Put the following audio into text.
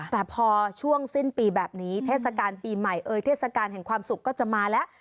แต่พอช่วงสิ้นปีแบบนี้เทศกาลปีใหม่เอ่ยเทศกาลแห่งความสุขก็จะมาแล้ว